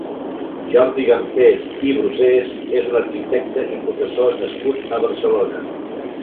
Jordi Garcés i Brusés és un arquitecte i professor nascut a Barcelona.